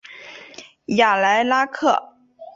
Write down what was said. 雅莱拉克。